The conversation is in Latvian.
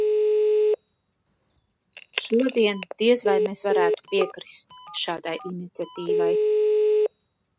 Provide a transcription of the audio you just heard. Šodien diez vai mēs varētu piekrist šādai iniciatīvai.